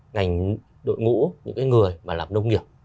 ngành đội ngũ những người mà làm nông nghiệp